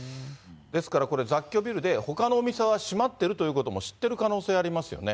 ですからこれ、雑居ビルで、ほかのお店は閉まってるということも知ってる可能性ありますよね。